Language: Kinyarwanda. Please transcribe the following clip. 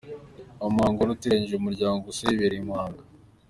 Uwo muhango wari uteraniyemo umuryango gusa wabereye i Muhanga.